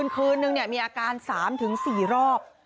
คืนนึงมีอาการ๓๔รอบ